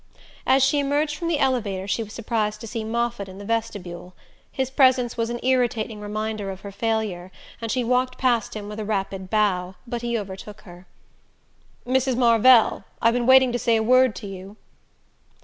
As she emerged from the elevator she was surprised to see Moffatt in the vestibule. His presence was an irritating reminder of her failure, and she walked past him with a rapid bow; but he overtook her. "Mrs. Marvell I've been waiting to say a word to you."